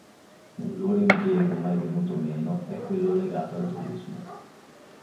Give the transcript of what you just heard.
Un loro impiego mai venuto meno è quello legato al turismo.